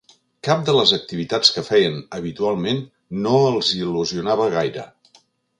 Cap de les activitats que feien habitualment no els il·lusionava gaire.